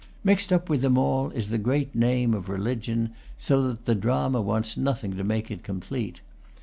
Mixed up with them all is the great name of religion, so that the drama wants nothing to make it complete.